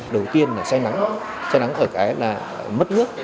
đầu tiên là say nắng say nắng ở cái là mất nước